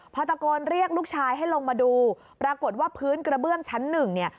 พอตะโกนเรียกลูกชายให้ลงมาดูปรากฏว่าพื้นกระเบื้องชั้นหนึ่งเนี่ย